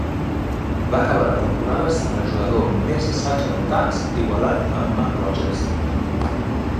Va acabar la temporada sent el jugador amb més assaigs anotats, igualat amb Mat Rogers.